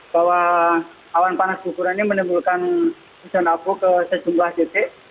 bahwa awan panas guguran ini menimbulkan hujan abu ke sejumlah titik